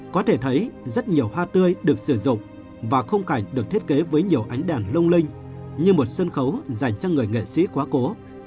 có thể thấy rất nhiều hoa tươi được sử dụng và khung cảnh được thiết kế với nhiều ánh đèn lung linh như một sân khấu dành cho người nghệ sĩ quá cố